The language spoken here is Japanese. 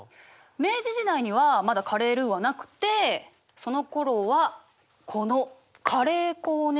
明治時代にはまだカレールーはなくてそのころはこのカレー粉をね使って料理してたの。